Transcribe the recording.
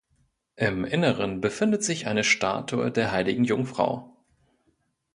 Im Inneren befindet sich eine Statue der Heiligen Jungfrau.